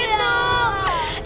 itu bukannya ada di situ